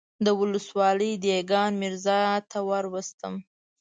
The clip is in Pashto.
د ولسوالۍ دېګان ميرزا ته وروستم.